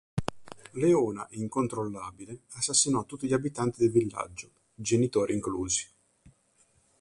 Leona, incontrollabile, assassinò tutti gli abitanti del villaggio, genitori inclusi.